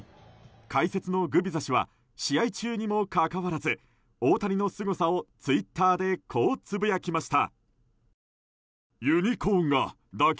解説のグビザ氏は試合中にもかかわらず大谷のすごさをツイッターでこうつぶやきました。